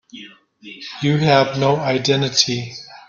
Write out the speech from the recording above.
You have no identity.